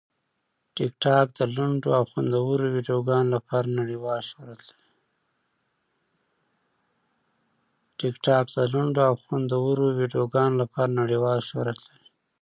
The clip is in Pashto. ټیکټاک د لنډو او خوندورو ویډیوګانو لپاره نړیوال شهرت لري.